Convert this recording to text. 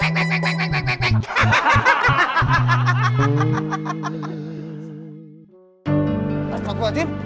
teng teng teng